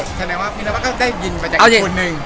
แสดงว่าพี่เจวัดก็ได้ยินมาจากคนเอง